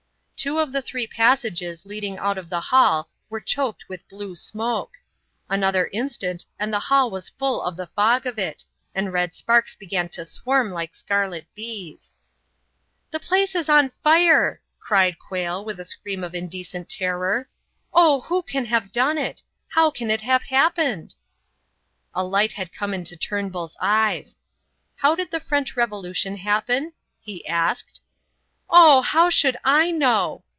Two of the three passages leading out of the hall were choked with blue smoke. Another instant and the hall was full of the fog of it, and red sparks began to swarm like scarlet bees. "The place is on fire!" cried Quayle with a scream of indecent terror. "Oh, who can have done it? How can it have happened?" A light had come into Turnbull's eyes. "How did the French Revolution happen?" he asked. "Oh, how should I know!"